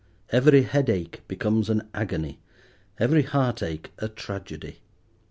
Every head ache becomes an agony, every heart ache a tragedy.